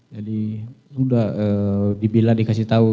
jadi sudah dibilang dikasih tahu